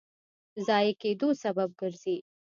ضایع کېدو سبب ګرځي.